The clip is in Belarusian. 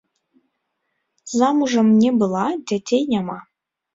Замужам не была, дзяцей няма.